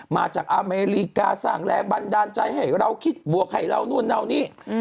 มาจากอเมริกาสร้างแรงบันดาลใจให้เราคิดบวกให้เรานู่นเหล่านี้